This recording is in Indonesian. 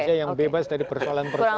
saja yang bebas dari persoalan persoalan